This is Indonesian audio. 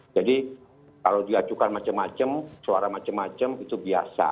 jadi kalau diajukan macam macam suara macam macam itu biasa